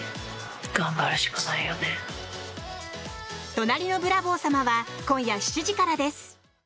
「隣のブラボー様」は今夜７時からです。